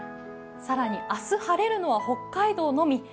更に、明日晴れるのは北海道のみ。